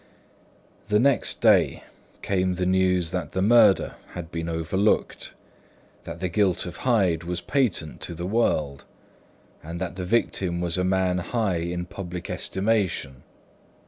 The next day, came the news that the murder had been overlooked, that the guilt of Hyde was patent to the world, and that the victim was a man high in public estimation.